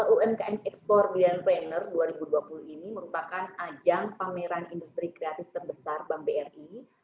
umkm export brilliantpreneur dua ribu dua puluh ini merupakan ajang pameran industri kreatif terbesar bank bri